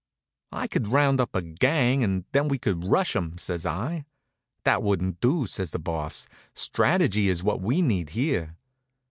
"I could round up a gang and then we could rush 'em," says I. "That wouldn't do," says the Boss. "Strategy is what we need here."